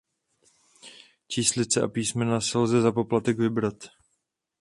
Číslice a písmena si lze za poplatek vybrat.